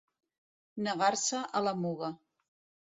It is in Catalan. Negar-se a la Muga.